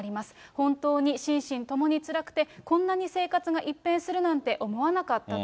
本当に心身ともにつらくて、こんなに生活が一変するなんて思わなかったと。